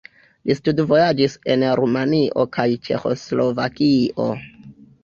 Li studvojaĝis en Rumanio kaj Ĉeĥoslovakio.